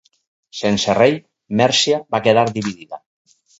Sense rei, Mèrcia va quedar dividida.